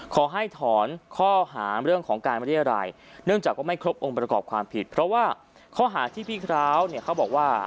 ขอให้ถอนข้อหาเรื่องของการมาเรียรายเนื่องจากว่าไม่ครบองค์ประกอบความผิดเพราะว่าข้อหาที่พี่คร้าวเนี่ยเขาบอกว่า